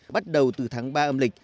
bắt đầu từ tháng ba âm lịch